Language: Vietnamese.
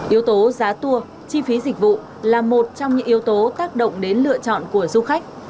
yếu tố giá tour chi phí dịch vụ là một trong những yếu tố tác động đến lựa chọn của du khách